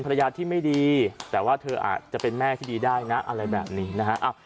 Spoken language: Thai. ภรรยาที่ไม่ดีแต่ว่าเธออาจจะเป็นแม่ที่ดีได้นะอะไรแบบนี้นะฮะ